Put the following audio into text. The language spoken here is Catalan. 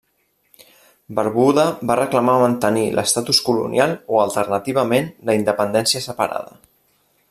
Barbuda va reclamar mantenir l'estatus colonial o alternativament la independència separada.